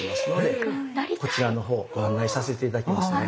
こちらの方ご案内させて頂きますね。